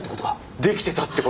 出来てたって事？